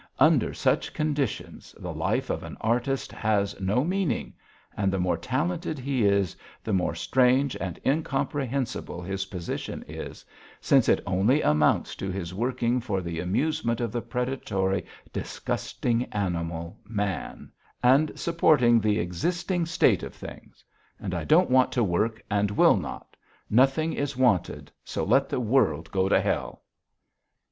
Under such conditions the life of an artist has no meaning and the more talented he is, the more strange and incomprehensible his position is, since it only amounts to his working for the amusement of the predatory, disgusting animal, man, and supporting the existing state of things. And I don't want to work and will not.... Nothing is wanted, so let the world go to hell."